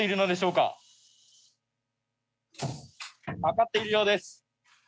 かかっているようです！